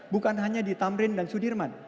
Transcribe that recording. bukan hanya di tamrin dan sudirman